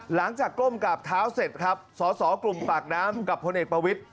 ก้มกราบเท้าเสร็จครับสสกลุ่มปากน้ำกับพลเอกประวิทธิ